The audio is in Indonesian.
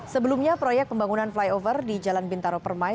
sebelumnya proyek pembangunan flyover di jalan bintaro permai